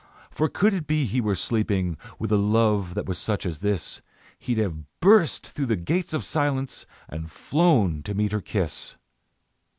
"For could it be he were sleeping. With a love that was such as this He'd have burst through the gates of silence, And flown to meet her kiss."